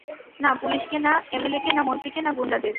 না পুলিশকে, না এমএলেকে, না মন্ত্রীকে, না গুন্ডাদের।